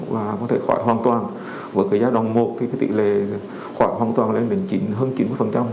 và có thể khỏi hoàn toàn với cái giai đoạn một thì cái tỷ lệ khoảng hoàn toàn lên đến hơn chín mươi